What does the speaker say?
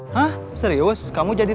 masanya koges sama adalah